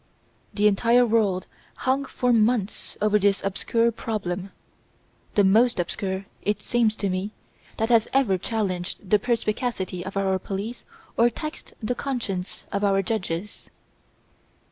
The entire world hung for months over this obscure problem the most obscure, it seems to me, that has ever challenged the perspicacity of our police or taxed the conscience of our judges.